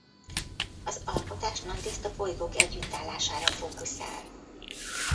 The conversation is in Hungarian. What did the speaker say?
Az alkotás nagyrészt a bolygók együttállására fókuszál.